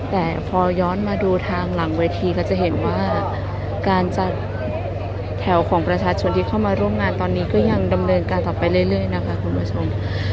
แต่พอย้อนมาดูทางหลังเวทีเราจะเห็นว่าการจัดแถวของประชาชนที่เข้ามาร่วมงานตอนนี้ก็ยังดำเนินการต่อไปเรื่อยนะคะคุณผู้ชม